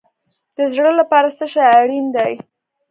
د زړه لپاره څه شی اړین دی؟